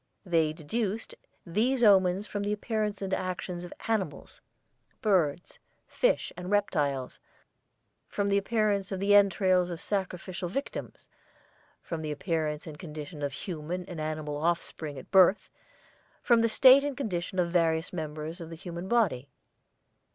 They deduced these omens from the appearance and actions of animals, birds, fish, and reptiles; from the appearance of the entrails of sacrificial victims; from the appearance and condition of human and animal offspring at birth; from the state and condition of various members of the human body."